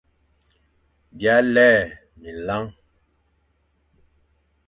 B îa lè minlañ.